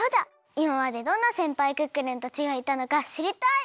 いままでどんなせんぱいクックルンたちがいたのかしりたい！